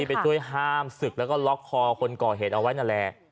ไปช่วยห้ามศึกแล้วก็ล็อกคอคนก่อเหตุเอาไว้นั่นแหละ